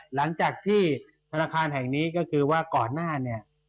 หลังจากที่ธนาคารแห่งนี้ก็คือว่าก่อนหน้าเนี่ย